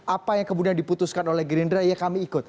apa yang kemudian diputuskan oleh gerindra ya kami ikut